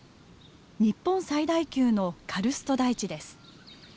日本最大級のカルスト台地です。